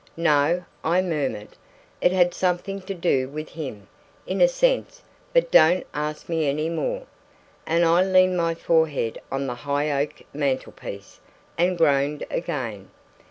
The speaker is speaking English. "No," I murmured; "it had something to do with him, in a sense; but don't ask me any more." And I leaned my forehead on the high oak mantel piece, and groaned again.